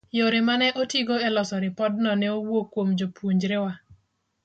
yore ma ne otigo e loso ripodno ne owuok kuom jopuonjrewa